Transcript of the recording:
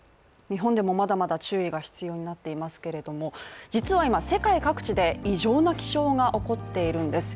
日本でもまだまだ注意が必要になっていますけれども、実は今、世界各地で異常な気象が起こっているんです。